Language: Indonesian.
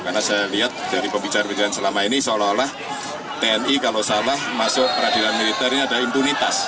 karena saya lihat dari pembicaraan pembicaraan selama ini seolah olah tni kalau salah masuk peradilan militer ini ada impunitas